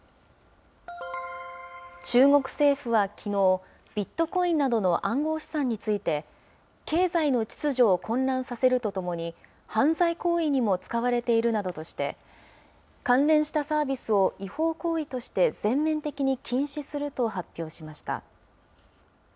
中国政府はきのう、ビットコインなどの暗号資産について、経済の秩序を混乱させるとともに、犯罪行為にも使われているなどとして、関連したサービスを違法行為として全面的に禁止すると発表しました。